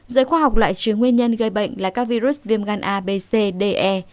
giới khoa học lại chứa nguyên nhân gây bệnh là các virus viêm gan a b c d e